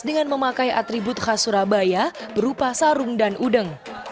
dengan memakai atribut khas surabaya berupa sarung dan udeng